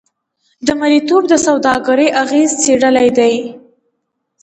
د مریتوب د سوداګرۍ اغېزې څېړلې دي.